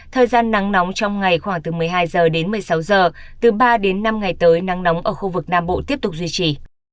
thời gian nắng nóng trong ngày khoảng từ một mươi hai h đến một mươi sáu h từ ba đến năm ngày tới nắng nóng ở khu vực nam bộ tiếp tục duy trì